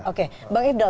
oke bang iddal